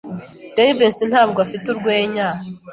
Jivency ntabwo afite urwenya.